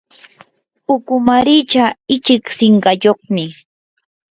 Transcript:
ukumaricha ichik sinqayuqmi.